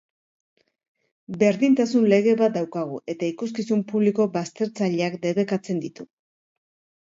Berdintasun lege bat daukagu, eta ikuskizun publiko baztertzaileak debekatzen ditu.